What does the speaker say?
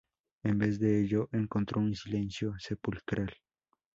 En vez de ello encontró un silencio sepulcral.